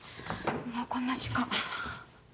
もうこんな時間。